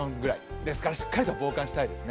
ですから、しっかりと防寒したいですね。